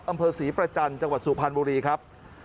อำเภอศรีประจันทร์จังหวัดสุพรรณบุรีครับ